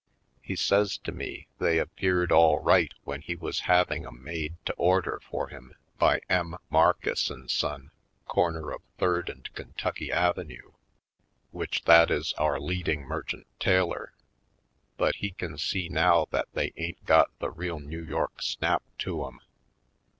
He says to me they ap peared all right when he was having 'em made to order for him by M. Marcus & Son, corner of Third and Kentucky Avenue, which that is our leading merchant tailor, but he can see now that they ain't got the real New York snap to 'em.